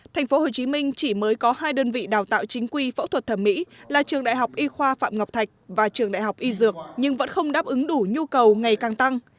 tp hcm chỉ mới có hai đơn vị đào tạo chính quy phẫu thuật thẩm mỹ là trường đại học y khoa phạm ngọc thạch và trường đại học y dược nhưng vẫn không đáp ứng đủ nhu cầu ngày càng tăng